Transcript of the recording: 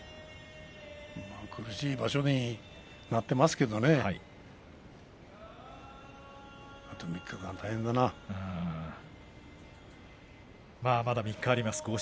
苦しい場所になっていますがあと３日あります。